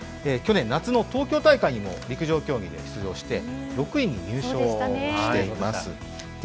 去年、夏の東京大会にも陸上競技で出場して、６位に入賞しています。